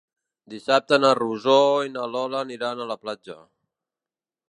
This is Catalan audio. Dissabte na Rosó i na Lola aniran a la platja.